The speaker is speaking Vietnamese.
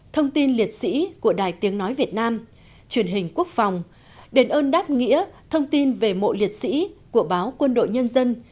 thông tin liệt sĩ của đài tiếng nói việt nam truyền hình quốc phòng đền ơn đáp nghĩa thông tin về mộ liệt sĩ của báo quân đội nhân dân